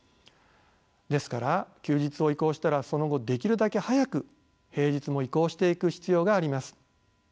ですから休日を移行したらその後できるだけ早く平日も移行していく必要があります。